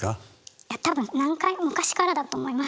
いや多分何回も昔からだと思います